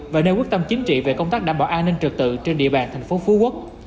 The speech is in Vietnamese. và nêu quốc tâm chính trị về công tác đảm bảo an ninh trực tự trên địa bàn thành phố phú quốc